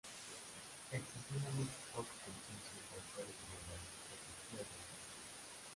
Existiendo muy poco consenso entre autores sobre las jerarquías de taxón.